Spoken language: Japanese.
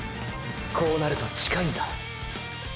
こうなると近いんだ。